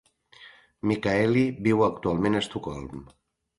Michaeli viu actualment a Estocolm.